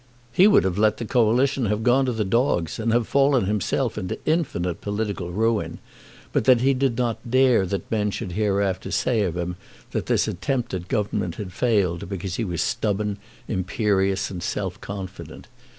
He would have let the Coalition have gone to the dogs and have fallen himself into infinite political ruin, but that he did not dare that men should hereafter say of him that this attempt at government had failed because he was stubborn, imperious, and self confident.